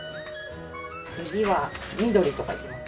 次は緑とかいきます？